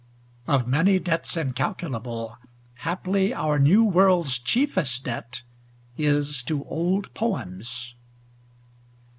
(Of many debts incalculable, Haply our New World's chieftest debt is to old poems.)